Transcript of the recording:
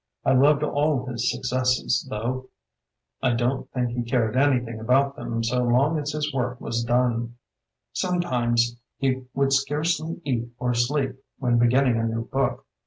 I loved all his successes, though I don't think he cared anything about them so long as his work was done. Sometimes he would scarcely eat or sleep when beginning a new book.